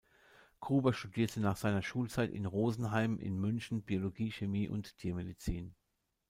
Gruber studierte nach seiner Schulzeit in Rosenheim in München Biologie, Chemie und Tiermedizin.